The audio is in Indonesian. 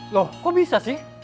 loh kok bisa sih